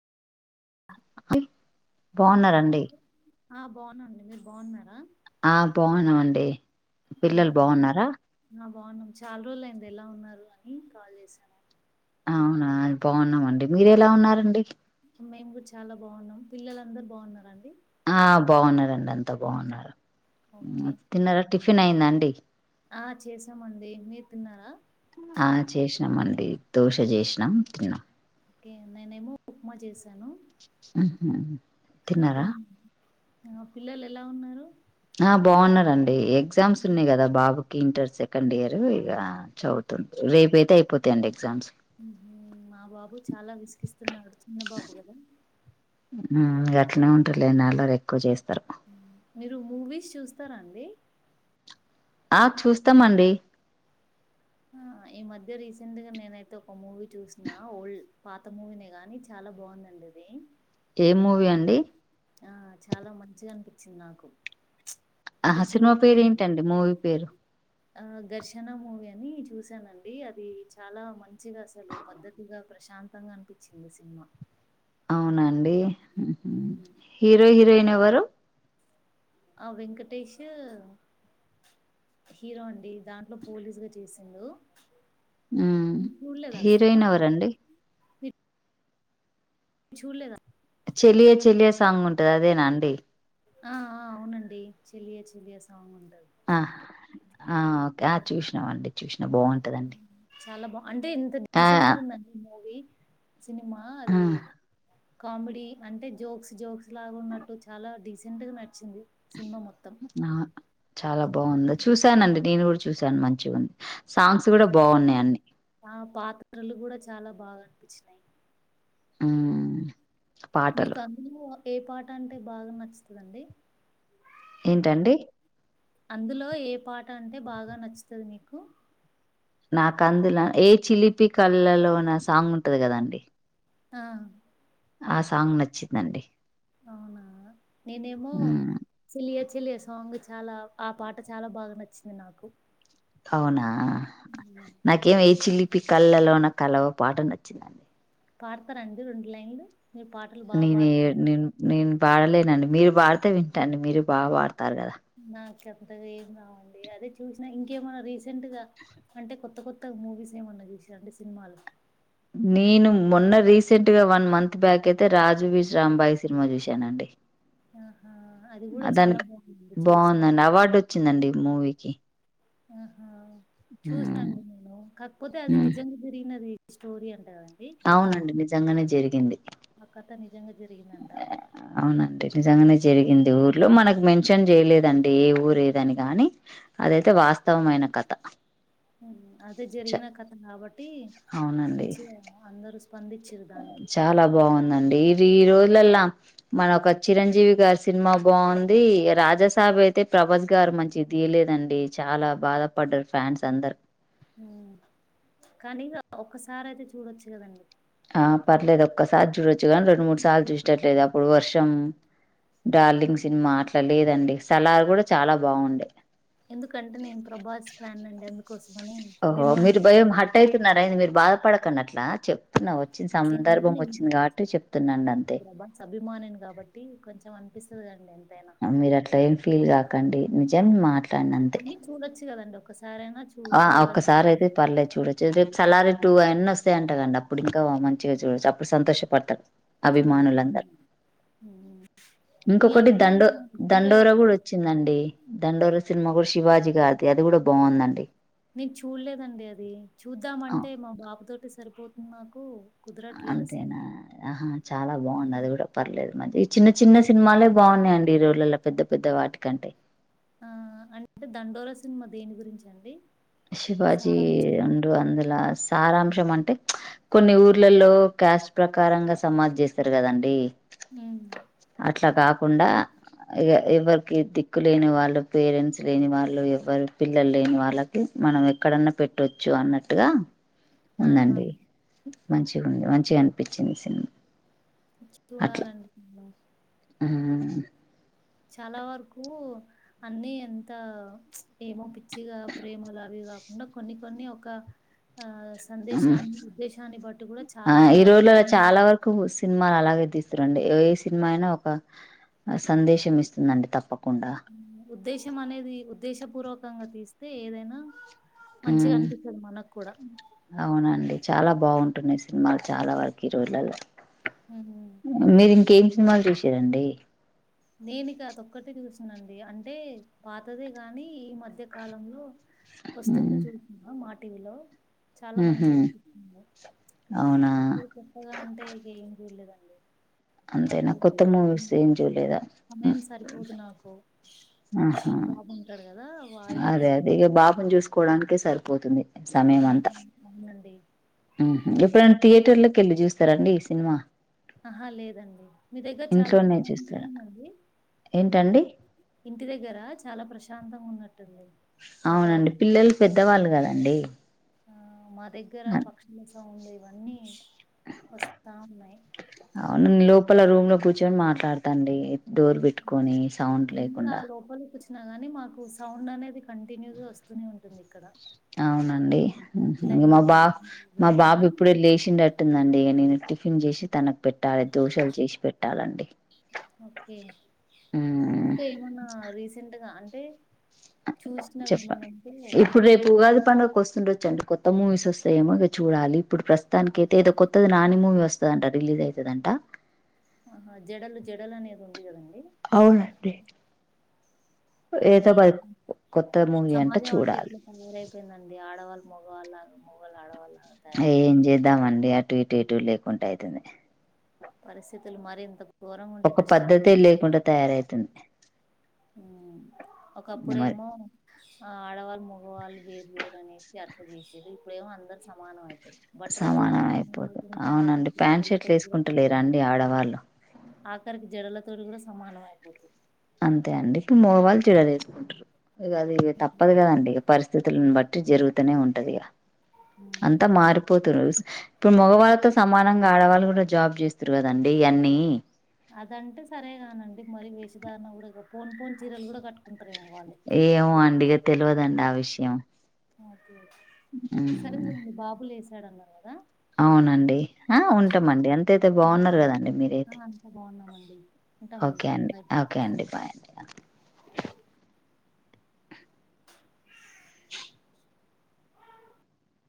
బాగున్నారండి. ఆహ్ బాగునండి. మీరు బాగున్నారా. ఆహ్ బాగున్నం అండి. ఆ పిల్లలు బాగున్నారా. చాలా రోజులు అయింది ఎలా ఉన్నారు అని కాల్ చేశాను. అవునా బాగున్నామండి. మీరు ఎలా ఉన్నారండి. మేము కూడా చాలా బాగున్నాం. పిల్లలందరు బాగున్నారా అండి. ఆహ్ బాగున్నారండి. అంతా బాగున్నారు. ఉమ్ తిన్నారా టిఫి టీపిన్ అయిందా అండి. ఆహ్ చేసామండి మీరు తిన్నారా. ఆహ్ చేసినాం అండి దోశ చేసినాం తిన్నాం. ఓకే నేనేమో ఉప్మా చేశాను. ఉహూ ఆహ్ తిన్నాం ఆహ్ పిల్లలు ఎలా ఉన్నారు. ఆహ్ బాగున్నారండి ఎగ్ ఎగ్జామ్స్ మ్మ్. ఉన్నాయి కదా బాబుకు ఇంటర్ సెకండ్ ఇయర్ ఇగ చదువుతుంది రేపు అయితే అయిపోతాండి ఎగ్జామ్స్. ఉమ్ మా బాబు చాలా విసికిస్తున్నాడు చిన్న బాబు కదా. ఉమ్ అట్నే ఉంటదిలేండి అల్లరి ఎక్కువ చేస్తారు. మీరు మూవీస్ చూస్తారాండి. ఆహ్ చూస్తామండి ఆహ్ ఈ మధ్య రీసెంట్ గా నేనైతే ఒక మూవీ చూసిన ఓల్డ్ పాత మూవీనే గాని చాలా బాగుందండి అది. ఏ మూ అండి ఆహ్ చాలా మంచిగా అనిపించింది నాకు. ఆ అంటే సినిమా చూడు పేరు ఏంటండి మూవీ పేరు. ఆహ్ ఘర్షణ మూవీ అని చూశానండి. అది చాలా మంచిగా అసలు పద్ధతిగా ప్రశాంతంగా అనిపించింది ఆ సినిమా. అవునండి ఉహు హ్మ్. హీరో హీరోయిన్ ఎవరు ఆ వెంకటేష్ హీరో అండి దాంట్లో పోలీసుగా చేసిండు ఉమ్ మీరు చూడలేదా ఆ హీరోయిన్ ఎవరండి సినిమా? మీరు చూడలేదా చెలియ చెలియ సాంగ్ ఉంటది అదేనా అండి ఆ ఆ అవునండి చెలియా చెలియ సాంగ్ ఉంటది ఆ ఆ ఓకే ఆ చూసినమండి చూసినా బాగుంటదండి అంటే ఇంత ఆ డీసెంట్ ఆ గా ఉందండి మూవీ సినిమా అదే కామెడీ అంటే జోక్స్ జోక్స్ లాగా ఉన్నట్టు చాలా డీసెంట్ గా నచ్చింది ఆ చాలా బాగుందా చూసానండి నేను కూడా చూసాను మంచిగా ఉంది సాంగ్స్ ఆ కూడా బాగున్నాయి అన్ని ఆ పాత్రలు కూడా చాలా బాగా అనిపించినాయి ఉం మీకు అందులో ఏ పాట అంటే బాగా నచ్చుతదండి ఏంటండి అందులో ఏ పాట అంటే బాగా నచ్చుతది మీకు నాకు అందులో ఏ చిలిపి కళ్ళలో నా సాంగ్ ఉంటాది కదండి ఆ ఆ సాంగ్ నచ్చిందండి అవునా నేనేమో హ్మ్. చెలియా చెలయ సాంగ్ చాలా ఆ పాట చాలా బాగా నచ్చింది నాకు అవునా ఆ హ్మ్. నాకేం ఏ చిలిపి కళ్ళలో నా కలవ పాట నచ్చిందండి పాడుతరా అండి రెండు లైన్లు మీరు పాటలు బాగా నేను పాడుతుంటారు. నేను నేను పాడలేనండి మీరు పాడ తే వింటాను మీరూ బాగా పాడుత నా చెప్ప అంతగా ఏం రావండి అదే చూసినా ఇంకేమన్నా రీసెంట్ గా అంటే కొత్త కొత్త మూవీస్ ఏమన్నా చూసినా అంటే సినిమాలో నేను మొన్న రీసెంట్ గా వన్ మంత్ బ్యాక్ అయితే రాజువీష్ రాంబాయి సినిమా చూసానండి ఆహా! అది గూడా చాలా దానికి బాగుందండి అవార్డు వచ్చిందండి ఈ మూవీకి ఆ ఆ చూసినా ఉమ్, అండి నేను కాకపోతే అది ఉమ్, నిజంగా తిరిగినది స్టోర ఉంటా అవునండి నిజంగానే జరిగింది ఆ కథ నిజంగా జరిగిందంట అవునండి నిజంగానే జరిగింది ఊర్లో మనకు మెన్షన్ చేయలేదండి ఏ ఊరు ఏ దాని గాని అదైతే వాస్తవమైన కథ ఉ అదే చ- జరిగిన కథ కాబట్టి అవునండి మంచిగా అందరు చాలా బాగుందండి ఇది ఈ రోజులలా మనొక చిరంజీవి గారి సినిమా బాగుంది రాజాసాహబబ్ అయితే ప్రభాస్ గారు మంచి తీయలేదండి చాలా బాధ పడ్డారు ఫ్యాన్స్ అందరు కానీ ఇక ఒక్కసారి అయితే చూడొచ్చు కదండి ఆ పర్లేదు ఒక్కసారి చూడొచ్చు కానీ రెండు మూడు సార్లు చూసటట్లేదు అప్పుడు వర్షం డార్లింగ్ సినిమా అట్లా లేదండి సలార్ కూడా చాలా బాగుండే ఎందుకంటే నేను ప్రభాస్ ఫ్యాన్ అండి ఎందుకు ఓహో మీరు భయం హట్ అవుతున్నారాయ మీరు బాధపడకన్నట్లా చెప్ వచ్చిన అట్లేం లేదు సందర్భం నేను వచ్చింది కాబట్టి చెప్తున్నాండి అంతే కాబట్టి కొంచెం అనిపిస్తుందిండి నే మీరు అట్లా ఏం ఫీల్ కాకండి నిజం మాట్లాడిన అంతే కానీ చూడొచ్చు కదండి ఒకసారైనా చూ ఆ చూడదగ్గ ఒక్కసారి అయితే సినిమా, పర్లేదు చూడొచ్చుదే సలారీ టూ అవన్నీ వస్తాయంట కండి అప్పుడు ఇంకా మంచిగా చూడచ్చు అప్పుడు సంతోషపడతాడు చూడదగ్గ అభిమానులందరూ సినిమా. ఉమ్ మీ ఇంకొకటి అభిమాన దండో హీరో దండోర కూడా ఎవరండి? వచ్చిందండి దండోర సినిమా కూడా శివాజీ గారిది అది కూడా బాగుందండి నేను చూడలేదండి అది చూద్దామంటే మా బాబు తోటి సరిపోతున్నాను అంతేనా ఆహా చాలా బాగున్నది కూడా పర్లేదు మంచి చిన్న చిన్న సినిమాలే బాగున్నాయండి ఇ రోళ్లలో పెద్ద పెద్ద వాటికంటే ఆ అంటే దండోల సినిమా దేని గురించి అండి శివాజీ ఉండడు అందలాస్ సారాంశం అంటే కొన్ని ఊర్లలో క్యాస్ట్ ప్రకారంగా సమాధి చేస్తారు కదండి హ అట్లా కాకుండా ఎవ్వరికి దిక్కు లేని వాళ్ళు పేరెంట్స్ లేని వాళ్ళు ఎవ్వరి పిల్లలు లేని వాళ్ళకి మనం ఎక్కడన్నా పెట్టొచ్చు అన్నట్టుగా ఆహా! ఉందండి మంచిగా ఉంది మంచిగా అనిపించింది ఈ సినిమా ఇచ్చి చూడాలండి చ ఆ చాలా వరకు అన్ని ఎంత ఏమోపిించ చ్చిగా ప్రేమ అలావిగా ఉన్న కొన్ని కొన్ని ఒక ఆ సందేశాన్ని ఉద్దేశాన్ని బట్టి కూడా చాలా వరకు తీస్తుండి ఏ ఏ సినిమా అయినా ఒక సందేశం ఇస్తుందండి తప్పకుండా ఉద్దేశం అనేది ఉద్దేశ పూర్వకంగా తీస్త తే ఏదైనా మంచిగా ఉమ్ అనిపిస్తుదు మనకు కూడా చాలా బాగుంటున్నాయి సినిమాలు చాలా వరకు హీరోయిలలో ఉమ్ మీరి ఇంకే సినిమాల్ చూశారండి నేను అంటే పాతదే గాని ఈ మధ్య కాలంలో వస్తుంది ఉమ్ చూస మాట టీవిలో చాలా ఉహు మంచిది అనిపిస్తుంది అవునా ఇ కొత్తగా అంటే ఇక ఏం చేయడలేదండి అంతేనా నాకు కొత్తమూవీస్ ఏమ్ జూలి సమయం సరిపోదు నాకు ఆహా న బాగుంటారు కదా వాడితోటి అదే అదే ఇక బాబుని చూసుకోవడానికే సరిపోతుంది సమయం ఆ అంతా అవునండి ఎప్పుడ మీ దగ్గర థియేటర్లకి వెళ్ళి చూస్తారండి సినిమా ఆహా లేదండి మీ ఇంట్లోనే చూస్త దగ్గర చాలా ప్రశాంతంగా ఉందండి ఏంటండి ఇంటి దగ్గర చాలా ప్రశాంతంగా ఉన్నట్టు అవునండి వాతావరణం పిల్లలు పెద్దవాళ్ళు కదా అండి దగ్గర పక్షుల సౌండ్ ఉంది ఇవన్నీ వస్తాం మే రేపు మాట్లాడత అండి. డోర్ పెట్టుకొని సౌండ్ లేకుండా అయినా గాని మాకు సౌండ్ అనేది కంటిన్యూ గా వస్తూనే ఉంటుంది ఇక్కడ అవునండి హుహు పక్షులైనా మా బాబ మా ఇవేనా బాబు ఇప్పుడే లేచిండట్టుందండి నేను టిఫిన్ చేసి తనకు పెట్టాలి దోషాలు చేసి పెట్టాలండి ఓకే మ్మ్ ఇంకా ఏమన్నా రీసెంట్ గా అం చూసినవి చెప్ప ఏమన్నా ఉంటే ఇప్పుడు రేపు ఉగాది పండుగకు వస్తుండొచ్చండి కొత్త మూవీస్ వస్తాఏమో ఇగ చూడాలి ఇప్పుడు ప్ర దానికి అయితే ఏదో కొత్తది నానిమూవీ వస్తుంది టా రిలీజ్ అయతదంట ఆ జడలు జడలు అనేది ఉంది కదండి. అవునండి ఏదో కానీ మది కొత్త మూవీ అంట చూడాలి మొగవాళ్ళ మొగోళ్ళ ఆడవాళ్ళ ఏం చేద్దామండి అటు ఇటు ఎటు లేకు వంటఅయితుంది. పరిస్థితులు మరింత ఒక పద్ధతే లేకుండా తయారైతుంది ఉ మరి ఒకప్పుడేమో ఆ ఆడవాళ్ళు మగవాళ్ళు వేరు వేరు అనేసి అట్లా చేసే ఇప్పుడేమో అందరు సమానం అయిపోారు సమానం అయిపోదు లేకుంటే అవునండి ఆఖరికి ప్యాంట్ జడలతో షర్ట్లు కూడా వేసుకుంటలేరా సమానం అండి ఆడవాళ్ళు ఆఖరికి జడల తోటి కూడా సమానం అయిపోత అంతే అండి ఇప్పు మోగవాళ్ళు చీర లేసుకుంటరు. ఇగ అది తప్పదు కదండి పరిస్థితులను బట్టి జరుగుతనే ఉంటదిగా ఉమ్. అంతా మారిపోతున్రు స ఇప్పుడు మగవాళ్ళతో సమానంగా ఆడవాళ్ళు కూడా జాబ్ చేస్తుర్రు కదండి అన్నీ అదంటే సరేగానండి మరి వేసి [unintelligible] [unintelligible] పోన్ పోన్ చీరలు కూడా కట్టుకుంట ఏమో అండి ఇగా తెల్వదు అండి ఆ విశ్యం సరే ఉమ్, మరి బాబు లే ఎక్కడ అన్నవ్ కదా అవునండి ఉంటామండి అంతయితే బాగున్నారు కదా కదండి ఆ మీరైతే అంతా బాగున్నామండి ఉంటామండి ఓకే అండి బాయ్ ఓకే అండి బాయ్